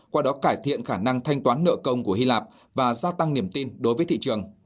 qua đó cải thiện khả năng thanh toán nợ công của hy lạp và gia tăng niềm tin đối với thị trường